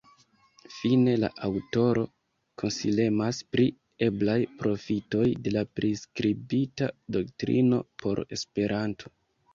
Fine, la aŭtoro konsilemas pri eblaj profitoj de la priskribita doktrino por Esperanto.